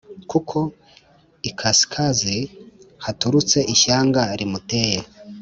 Kuko ikasikazi haturutse ishyanga rimuteye